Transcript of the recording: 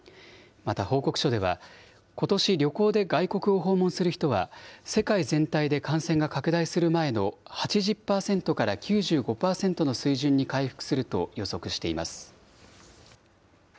また報告書では、ことし、旅行で外国を訪問する人は世界全体で感染が拡大する前の、８０％から９５％の水準に回復すると予測しています。